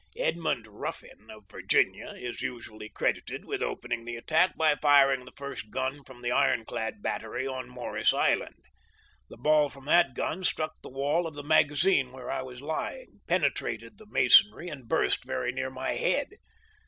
Edmund Ruffin of Virginia is usually credited with opening the attack by firing the first gun from the iron clad battery on Morris Island. The ball from that gun struck the wall of the magazine where I was lying, penetrated the masonry, and burst very near my head.